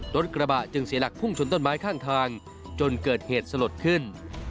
รถกระบะจึงเสียหลักพุ่งชนต้นไม้ข้างทางจนเกิดเหตุสลดขึ้น